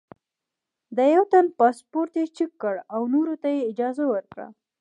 د یوه تن پاسپورټ یې چیک کړ او نورو ته یې اجازه ورکړه.